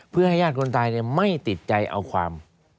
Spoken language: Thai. เพื่อให้ญาติคนตายไม่ติดใจเอาความ